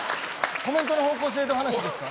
コメントの方向性の話ですか。